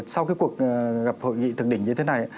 sau cái cuộc gặp hội nghị thượng đỉnh như thế này